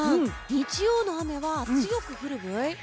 日曜の雨は強く降るブイ？